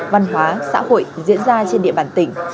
văn hóa xã hội diễn ra trên địa bàn tỉnh